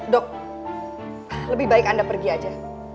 dok lebih baik anda pergi aja